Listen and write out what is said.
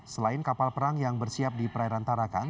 selain kapal perang yang bersiap diperairan tarakan